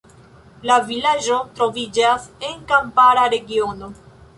La vilaĝo troviĝas en kampara regiono.